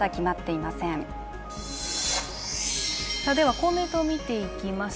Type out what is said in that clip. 公明党を見ていきます。